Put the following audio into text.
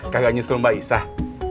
kagak nyusul mbak isah